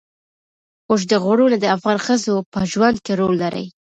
اوږده غرونه د افغان ښځو په ژوند کې رول لري.